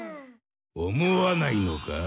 思わないのか？